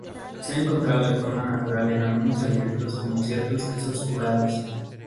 Se ha encontrado de forma natural en algunos alimentos como ciertos quesos curados.